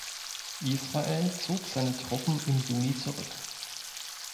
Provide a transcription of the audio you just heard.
Israel zog seine Truppen im Juni zurück.